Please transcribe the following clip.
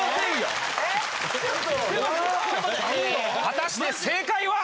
果たして正解は！？